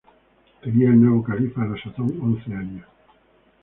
Tenía el nuevo califa a la sazón once años.